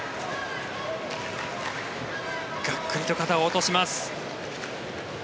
がっくりと肩を落とします。